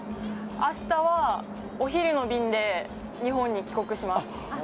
明日はお昼の便で日本に帰国します。